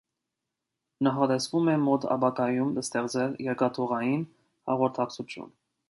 Նախատեսվում է մոտ ապագայում ստեղծել երկաթուղային հաղորդակցություն։